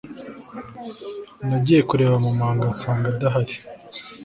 nagiye kureba muganga, nsanga adahari